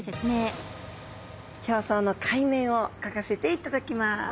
表層の海面を描かせていただきます。